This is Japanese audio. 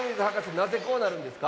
なぜこうなるんですか？